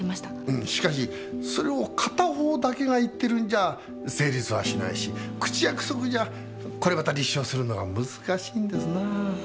うんしかしそれを片方だけが言ってるんじゃ成立はしないし口約束じゃこれまた立証するのが難しいんですな。